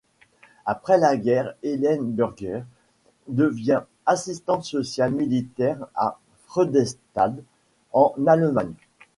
Après la guerre, Hélène Burger devient assistante sociale militaire à Freudenstadt, en Allemagne.